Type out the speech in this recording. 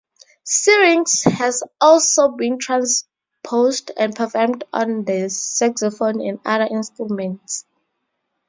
"Syrinx" has also been transposed and performed on the saxophone and other instruments.